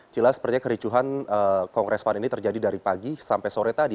cila sepertinya kericuhan kongres pan ini terjadi dari pagi sampai sore tadi